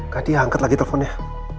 kak tia angkat lagi teleponnya